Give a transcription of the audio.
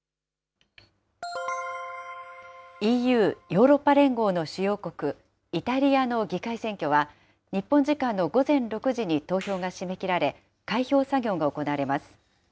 ＥＵ・ヨーロッパ連合の主要国、イタリアの議会選挙は、日本時間の午前６時に投票が締め切られ、開票作業が行われます。